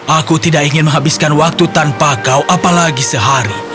aku tidak ingin menghabiskan waktu tanpa kau apalagi sehari